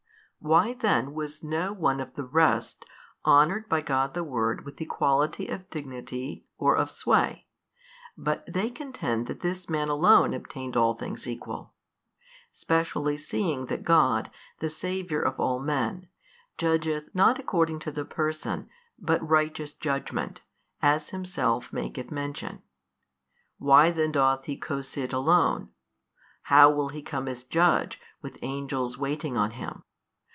Why then was no one of the rest honoured by God the Word with equality of dignity or of sway, but they contend that this man alone obtained all things equal? specially seeing that God, the Saviour of all men, judgeth not according to the person hut righteous judgement, as Himself maketh mention. Why then doth He co sit Alone? how will He come as Judge, with Angels waiting on Him?